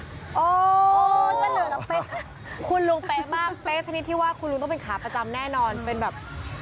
คุณลุงเป๊ะมากเป๊ะชนิดที่ว่าคุณลุงต้องเป็นขาประจำแน่นอนเป็นแบบ